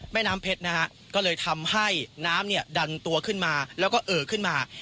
แม่น้ำเพชรนะฮะก็เลยทำให้น้ำเนี่ยดันตัวขึ้นมาแล้วก็เอ่อขึ้นมา